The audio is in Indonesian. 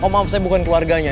oh maaf saya bukan keluarganya